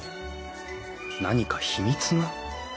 何か秘密が？